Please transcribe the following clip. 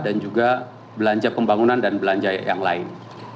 dan juga belanja pembangunan dan belanja yang lain